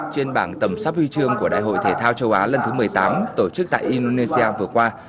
trên bảng tầm sắp huy chương của đại hội thể thao châu á lần thứ một mươi tám tổ chức tại indonesia vừa qua